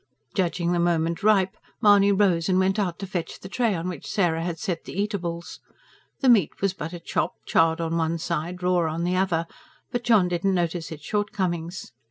Judging the moment ripe, Mahony rose and went out to fetch the tray on which Sarah had set the eatables. The meat was but a chop, charred on one side, raw on the other; but John did not notice its shortcomings.